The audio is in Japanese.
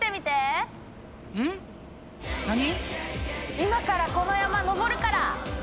今からこの山上るから！